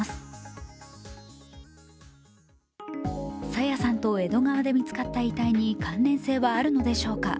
朝芽さんと江戸川で見つかった遺体に関連性はあるのでしょうか。